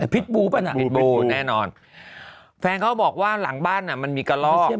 พิษบูป่ะน่ะพิษบูแน่นอนแฟนเขาบอกว่าหลังบ้านอ่ะมันมีกระลอกใช่ไหม